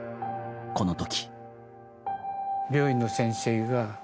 この時。